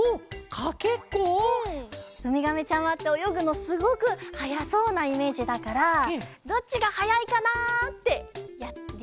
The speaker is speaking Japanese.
ウミガメちゃまっておよぐのすごくはやそうなイメージだからどっちがはやいかなってやりたいかな。